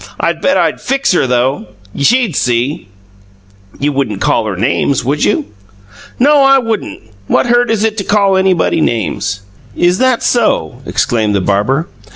"I bet I'd FIX her though, all right. She'd see!" "You wouldn't call her names, would you?" "No, I wouldn't! What hurt is it to call anybody names?" "Is that SO!" exclaimed the barber.